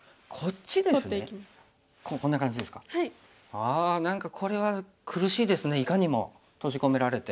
あ何かこれは苦しいですねいかにも閉じ込められて。